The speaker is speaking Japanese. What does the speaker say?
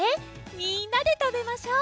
みんなでたべましょう！